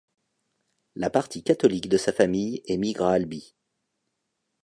La partie catholique de sa famille émigre à Albi.